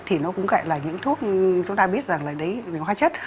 thì nó cũng gọi là những thuốc chúng ta biết rằng là đấy về hóa chất